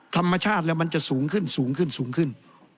ธรรมชาติเลยมันจะสูงขึ้น